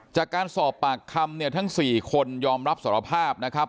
จากการสอบปากคำเนี่ยทั้ง๔คนยอมรับสารภาพนะครับ